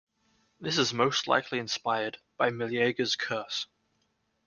This is most likely inspired by Meleager's curse.